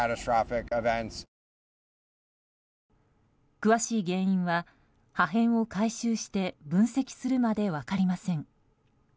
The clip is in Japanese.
詳しい原因は、破片を回収して分析するまで分かりません。